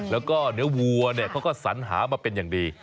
แล้วก็เนื้อวัวเขาก็สัญหามาเป็นอย่างดี